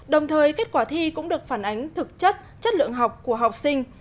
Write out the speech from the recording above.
đồng thời kết quả thi cũng được phản ánh thực chất chất lượng học của học sinh